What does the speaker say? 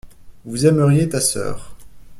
Vous aimeriez ta sœur.